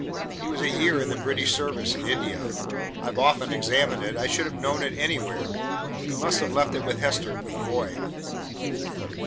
He was a year in the British service in India. I've often examined it. I should have known it anywhere. He must have left it with Hester for the boy."